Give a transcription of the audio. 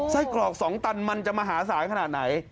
ไส้กรอกสองตันมันจะมหาสารขนาดไหน